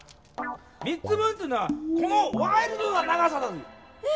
３つ分っていうのはこのワイルドな長さだぜぇ！